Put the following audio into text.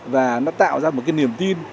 và nó tạo ra một niềm tin